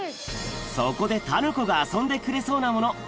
そこでたぬ子が遊んでくれそうなもの